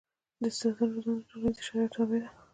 د استعدادونو روزنه د ټولنیزو شرایطو تابع ده.